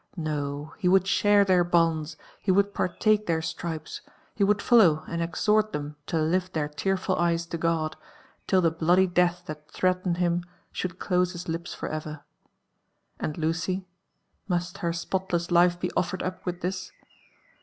No 1 bQ would share their bonds— JONATHAN JEFFERSON WHITLAW. 138 he would partake (heir stripes — he would follow and exhort them to lift their tearful eyes to God, till the bloody death that threatened him should close his lips for ever. And Lucy?— must her spotless life be offered up with his